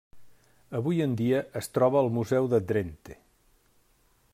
Avui en dia es troba al Museu de Drenthe.